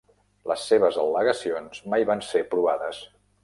Les seves al·legacions mai van ser provades.